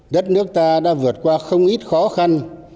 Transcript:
đất nước ta đã vượt qua không ít khó khăn